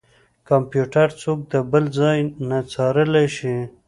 کمپيوټر څوک د بل ځای نه څارلی شي.